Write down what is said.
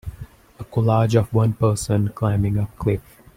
A collage of one person climbing a cliff.